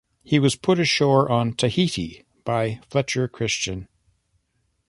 He was put ashore on Tahiti by Fletcher Christian.